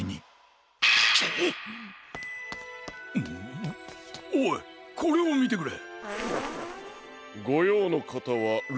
んおいこれをみてくれ！